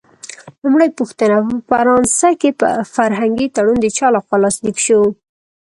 لومړۍ پوښتنه: په فرانسه کې فرهنګي تړون د چا له خوا لاسلیک شو؟